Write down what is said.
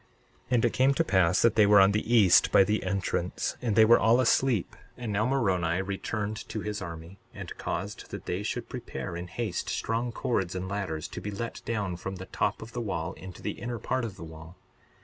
62:21 And it came to pass that they were on the east, by the entrance; and they were all asleep. And now Moroni returned to his army, and caused that they should prepare in haste strong cords and ladders, to be let down from the top of the wall into the inner part of the wall.